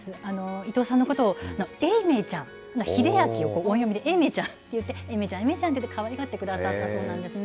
伊藤さんのことをエイメイちゃん、英明を音読みでエイメイちゃんって言って、エイメイちゃん、エイメイちゃんってかわいがってくださったそうなんですね。